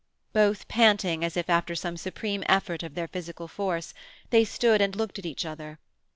Both panting as if after some supreme effort of their physical force, they stood and looked at each other.